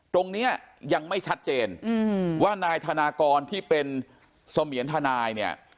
ตรงนี้ยังไม่ชัดเจนว่านายธนากรที่เป็นเสมียนทนายเนี่ย